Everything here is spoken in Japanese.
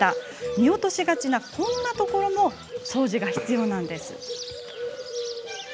見落としがちなこんなところも掃除が必要なんです。